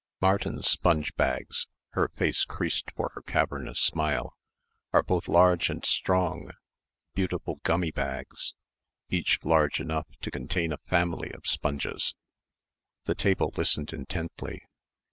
"Martins' sponge bags" her face creased for her cavernous smile "are both large and strong beautiful gummi bags, each large enough to contain a family of sponges." The table listened intently.